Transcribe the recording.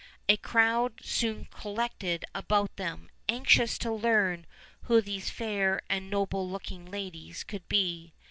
A crowd soon collected about them, anxious to learn who these fair and noble looking ladies could be.